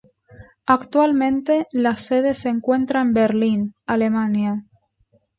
Actualmente, la sede se encuentra en Berlin, Alemania.